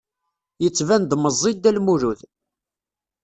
Yettban-d meẓẓi Dda Lmulud.